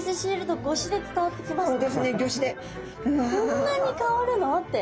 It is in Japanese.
こんなに香るの？って。